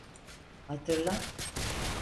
Hatırla…